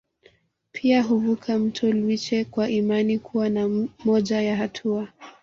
Pia huvuka mto Lwiche kwa imani kuwa ni moja ya hatua